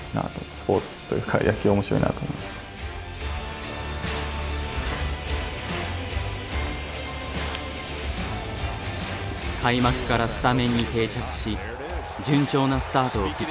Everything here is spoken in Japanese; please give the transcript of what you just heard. スポーツというか開幕からスタメンに定着し順調なスタートを切った。